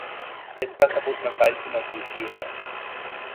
اسکا ثبوت مسائل کی موجودگی ہے